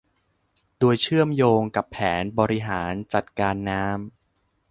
โดยเชื่อมโยงกับแผนบริหารจัดการน้ำ